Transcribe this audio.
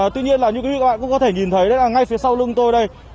tuy nhiên là như quý vị các bạn cũng có thể nhìn thấy đây là ngay phía sau lưng tôi đây